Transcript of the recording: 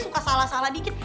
suka salah salah dikit